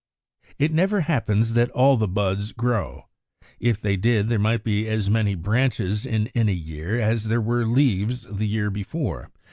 = It never happens that all the buds grow. If they did, there might be as many branches in any year as there were leaves the year before.